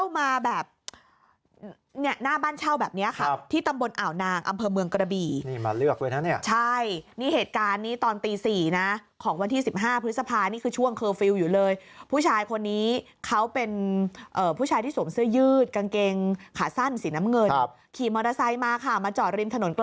มาขโมยกางเกงตั้งบนออ่าวนางอำเภอเมืองกระบี